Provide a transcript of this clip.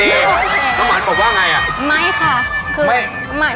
น้องมันบอกว่าไงอะ